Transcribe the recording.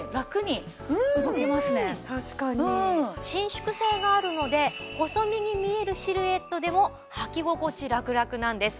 伸縮性があるので細身に見えるシルエットでもはき心地ラクラクなんです。